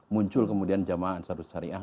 muncul kemudian jamaah ansarud syariah